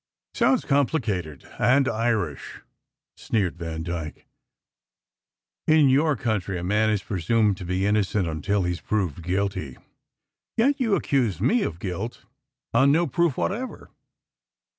"Sounds complicated and Irish!" sneered Vandyke. "In your country a man is presumed to be innocent until he s proved guilty; yet you accuse me of guilt on no proof whatever.